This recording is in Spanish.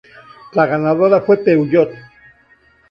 La ganadora fue Peugeot.